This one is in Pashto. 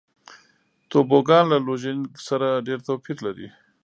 توبوګان له لوژینګ سره ډېر توپیر لري.